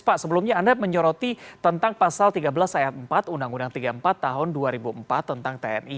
pak sebelumnya anda menyoroti tentang pasal tiga belas ayat empat undang undang tiga puluh empat tahun dua ribu empat tentang tni